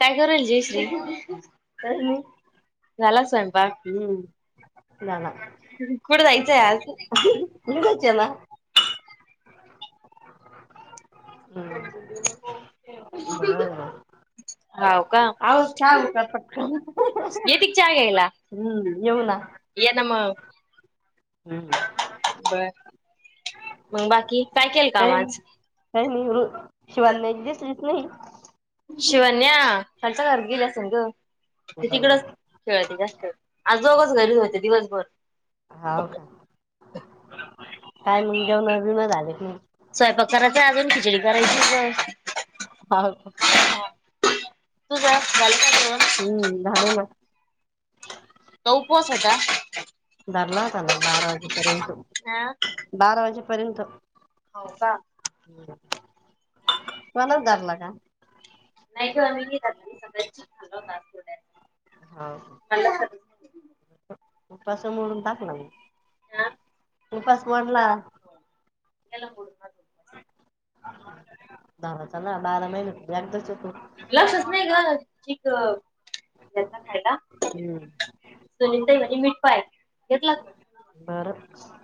काय करेल जयश्री, झाला स्वयंपाक? हम्म जाणार कुठे जायचंय आज? [unintelligible] हू हा ना. [inaudible] हाव का? का पटकन येती का चहा घ्यायला? हम्म येऊ ना ये ना मग. [inaudible] बर, मंग बाकी काय केलं काम आज? काय नाही हो, शिवन्या दिसलीच नाही. शिवन्या, खालच्या घरात गेली असेल ग. ती तिकडच खेळते जास्त वेळ, आज दोघंच घरीच होते दिवसभर. हाव का? काय मग जेवण बिवण झाली की नाही? स्वयंपाक करायचाय अजून, खिचडी करायचीच आहे. तुझा झालं का जेवण [unintelligible] हम्म झाले ना. [unintelligible] उपवास आहे का? धरला होता ना, बारा वाजेपर्यंत. हा बारा वाजेपर्यंत हो का फणस धरला का? नाही ग मी नाही धरला मी सकाळी चिप्स खाल्ले होत आज [inaudible] हां. [unintelligible] उपास मोडून टाकलं मी हा उपास मोडला. गेला मोडून माझा उपवास. धराचा ना बारा महिने एकदाच येतो लक्षात नाही ग. चिक ह्यांना खायला. हम्म. सुनीलताई म्हणे मीठ पाय घेतला का? [inaudible]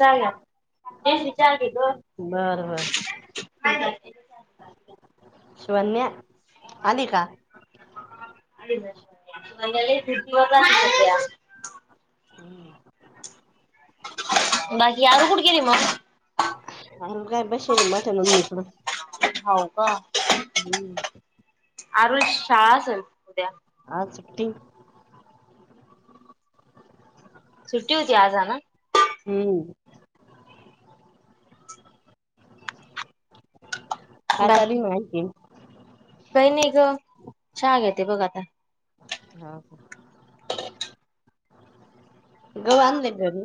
चहा घ्या, जयश्री चहा घे ग. बर बर. काय करते? शिवण्या आली का? [unintelligible] बाकी आरू कुठ गेली मग? अरे काय बसेल बठण म [unintelligible] हाव का, हम्म आरोहिची शाळा असेल उद्या आज सुट्टी. सुट्टी होती आज ह ना. हम्म. काय बाकी चालुय आणखिन. काही नाही ग चहा घेते बघ आता. गहू आणले घरी?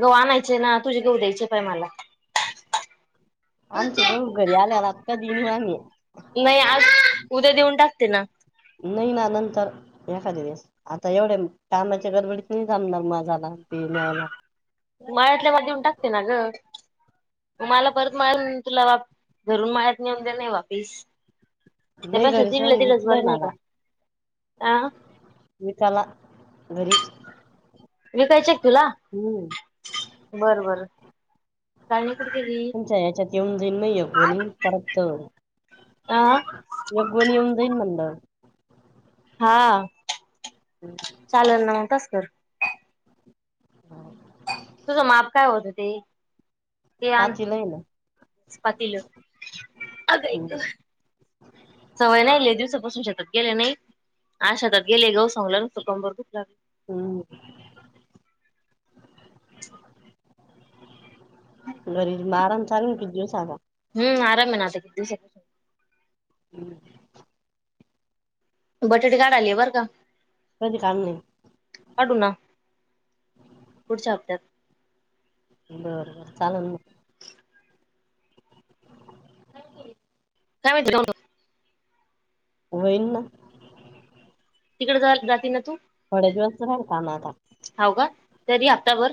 ग आणायचे ना तुझे गऊ द्यायचे बाई मला. आमचे गहू कधी ज आल्याला आत्ता दिणी नाही आज उद्या देऊन टाकते ना. नाही ना नंतर एखाद वेळेस आता एवढ्या कामाच्या गडबडीत नाही जमणार म झाला ब न्यायला [unintelligible] देऊन टाकते ना ग मला परत माळ तुला वा रून माळत नेऊन दे नाही वापीस ते नाही प घरीच राहू सचीला दे, त विकलंय गजबवर नाही मला का [unintelligible] [unintelligible] घरी विकायचे आहेत तुला बर बर. तुमच्या याच्यात येऊन जाईल ना एक गोनी परत आ एक गोळी येऊन जाईल म्हणलं. हा चालेल ना मंग तस कर... हां. तुझं माप काय होतं ते? हां केलय ना. पातील हम्म सवय नाही लई दिवसापासून शेतात गेले नाही आज शेतात गेले गहू सांगला नुस्ती कंबर दुखु लागली. हम्म. घरी अराम चालू ये कीती दिवस आता? हम्म आराम ये ना दिवसे [inaudible] बटाटे काडाला ये बरं का. कधी काम नाही काढू ना पुढच्या हप्त्यात. बर बर चालन म. [unintelligible] व्हईन ना. तिकडे जा जाती ना तू? थोडे दिवस राहिले काम आता. हाव का तरी हप्ताभर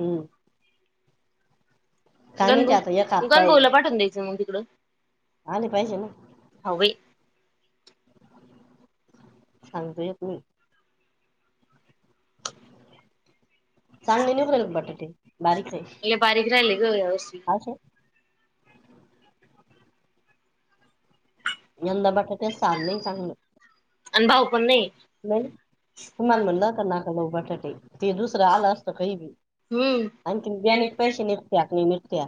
हम्म. काय माहिती आता गणभ- एक हप्ता गणभाऊला पाठवून द्यायचं मग तिकडं. आणि पाहिजे ना. हाव बई. सांगता येत नाही. चांगले निघु राहीले बटाटे बारीक ये. लय बारीक राहिले ग यावर्षी यंदा बटाटे साल नई चांगल. आणि भाऊ पण नाही नई, तुम्हाला म्हणल व्हतं ना. बटाटे ते दुसरं आलं असतं काही बी, हम्म आणखीन बियाणे के पैसे नई त्याक नई मिटत्या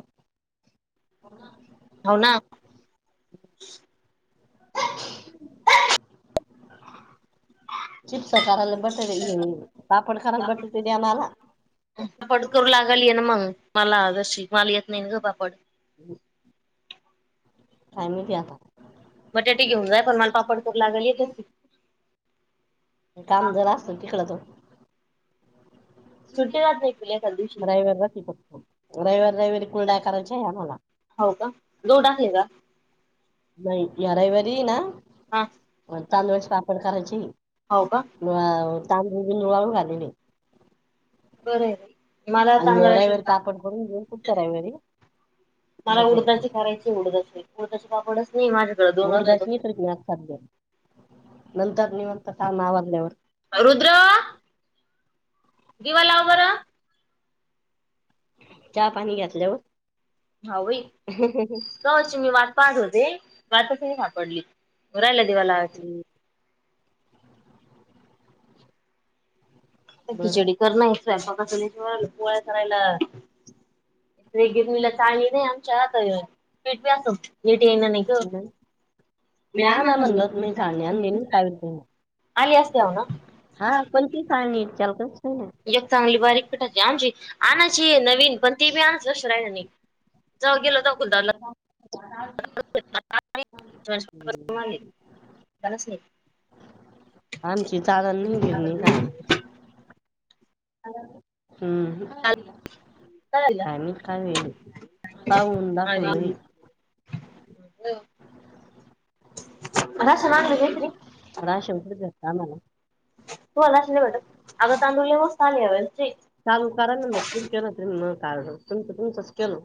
[inaudible] हाव ना. चिप्स कराले बटाटे ये पापड करले बटाटे देन आला. पापड करू लागालीय ना मंग मला जशी मला येत नाही ग पापड. [inaudible] काय माहिती आता. बटाटे घेऊन जाय पण मला पापड करू लागलेत आसी. काम जर असतं तिकड त. सुट्टी राहत नाही तुला एखाद दिवशी रयवारी रहती का ब, रविवारी - रविवारी कुल नाय करायचे आम्हाला. हाव का? गहू टाकले का? नाही, या रविवारी ये ना हा माये तांदळाचे पापड करायची ये. हाव का म तांदुल बिंदु वाळू घालीले. बरं ये बई. आन रविवारी पापड करून घेऊन पुडच्या रविवारी मला उडदाचे करायचे उडदाचे उडदाचे पापडच नाही माझ्याकडे दोन उडदाचे मी वर्षापासून [unintelligible] नंतर निवांत काम आवरल्यावर. रुद्र दिवा लाव बरं. चहा पाणी घेतल्यावर हाव बाई. कावाची मी वात पाहत होते वातस नई सापडली, म राहिला दिवा लावाची. आता बर खिचडी करनारे, स्वयंपाकाच लय जीवा आले, पोळ्या करायला [unintelligible] मी ला चावी नई आमच्या आता पेटवि आसन नीट येईना नाही ग. [unintelligible] आली असत्याव ना? हा पण ती चाळणी त्याला काहीच नाही ऐक चांगली बारीक पठाची आमची आणयची ये नवीन. पण ती बी [unintelligible] [unintelligible] फणस आहे [unintelligible] हम्म.. काय माहित काय व्हयली, खाऊन दाखव म्हणे. [unintelligible] [unintelligible] तूला अस नाही भेटत, आता तांदूळ लय मस्त आले या वेळीस. चालू करा ना मग, पुढच्या [unintelligible] तुमच तुमचंच केलं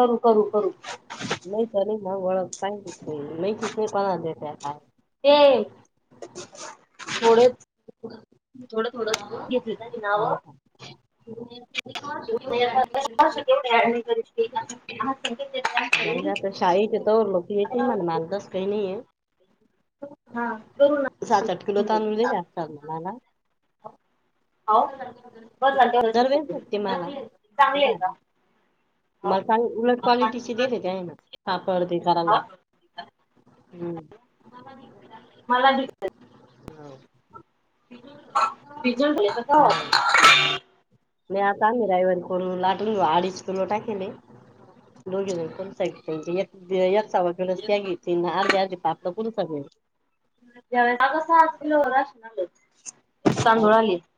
करू करू करू.... नाही तर नाही मग वळख सांगितली, माहितीच नाही कोणाला देत काय.. [unintelligible] थोड थोडं थोडं घेतल त्याची नाव... हाव का [unintelligible] [unintelligible] [unintelligible] तस काही नाही आहे हा करू ना. सात आठ किलो तांदूळ दीलेले असत्या मुलाला. दरवेळेस भेटते मला ते बाय. [unintelligible] हो मला तांदूळ उलट क्वालिटीची देते त्या हेन. हो. मला बी- [unintelligible] बिजल ह बोलायचं का हा.. होता म्या चाले रवीवारी कोन लाटून घेऊ आडीच किलो टाकेले दोघी जण कोणता [unintelligible] [unintelligible]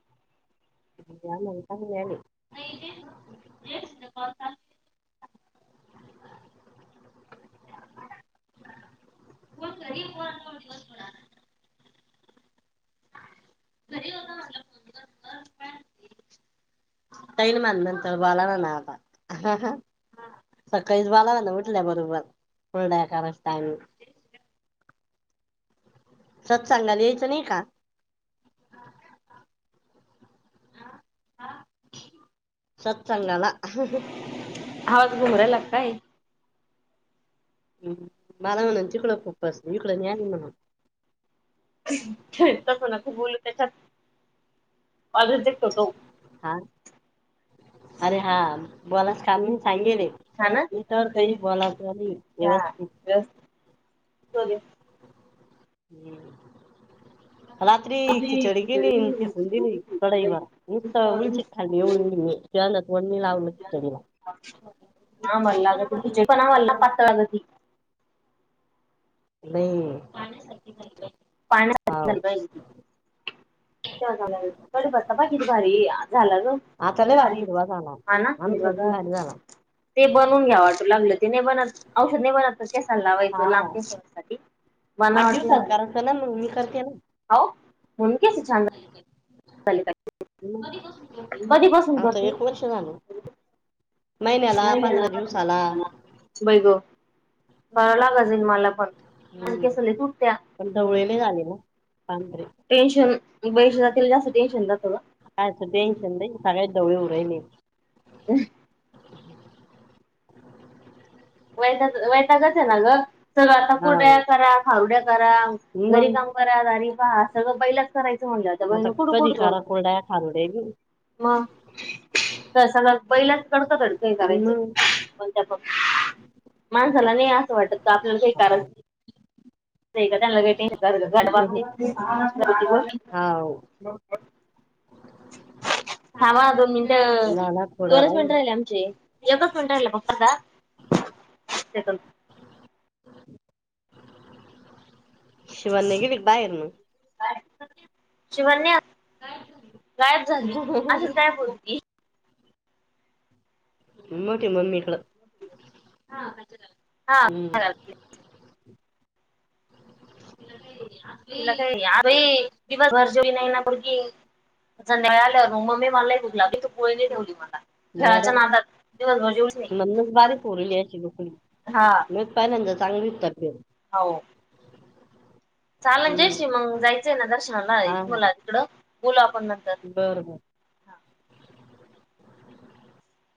[inaudible] [inaudible] [inaudible] घरी होता म्हनलं दिवसभर. [inaudible] [unintelligible] सकाळी बालावाला उठल्या बरोबर हुरडा करायचं टाईम.. सत्सांगाला यायचं नाही का? सत्संगला. आवाच घुमु रायला का काय? हम् मला म्हणून तिकडं खूप बस इकडं नाही म्हणून तेच ना कोणाचं बोलू त्याच्यात. हा [unintelligible] अरे हा बोलाच काम नाही सांगेले इतर काही [inaudible] बोलाच नाही व्यवस्थित [unintelligible] हम्म.. [inaudible] रात्री खिचडी केली अन् फेकून दिली कडईभर नुसत उलटीच झाली उळिन, [unintelligible] ह आम्हाला लागती खिचडी पण आम्हाला ना पातळ लागती. नाही पाणी सारखी जाईल बाई पाण्यासारखं झालं पाहिजे तेव्हा घालायला कडीपत्ता बाकी बारीक झाला गं आता लय भारी हॅलो हिरवा झाला हा ना हे आमचा बी बघा भारी झाला ती बनून घ्याव वाट लागलं ते नाही बनत औषध नाही बनत केसांना लावायचं हा लांब केसांसाठी आठ दिवसाणं कराच ना मग मी करते ना हाव म्हणून केस छान राहते कधी पासून लावती कधीपासून आता करती एक वर्ष झाल महिन्याला पंधरा दिवसाला बाई ग करावं लागल मला पण माझे हम्म केस लय तुटत्या पण डोळे लई आले ओ पांत्रे टेन्शन बाईच्या जातील जास्त टेन्शन राहत का कायच टेन्शन नाही सगळ्यांचं जवळ येऊ राहिले ह वैताकच आहे ना ग सगळं आता हाव कुरड्या करा खारुड्या करा घरी काम मग करा दारी पहा सगळं बाईलाच करायचं म्हणलं त्या आता बाईनं कुड कधी कुडत करा कोरड्या खारुड्या [inaudible] मग प्रसादात पहिल्याच तडका नाही बी करायच मग कोणत्या पण माणसाला नाही असं वाटत का आपल्याला काही कारण [inaudible] हाव थाबां दोन मिनिटं झाला थोडा दोनच राहील मिनिटं राहिले एकच मिनटं राहिला ना फक्त आता शिवन्या घेईल बाहेरण शिवन्या गायब झाली अशिच गायब होवून मोठी मम्मी कड हो हा त्यांच्या घरात हम्म तिला काही असं तिला काय आरोही दिवसभर जेवली नाही ना पोरगी संध्याकाळी आल्यावर मग मम्मे मला लई भुक लागली तू पोळी नाही ठेवली मला बर खेळाच्या नादात दिवसभर जेवत नाही म्हणूनच बारीक होरली अशी दुखली हा मी पहिल्यांदा चांगलीच तब्येत [inaudible] हो हा चाल जे किं मग जायचं आहे ना दर्शनाला मला तिकडं बोलू आपण नंतर बर -बर